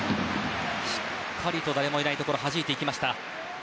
しっかりと誰もいないところにはじきました。